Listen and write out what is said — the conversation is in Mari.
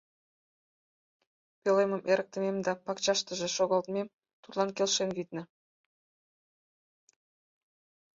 Пӧлемым эрыктымем да пакчаштыже шогылтмем тудлан келшен, витне.